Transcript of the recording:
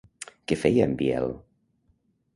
Què feia en Biel?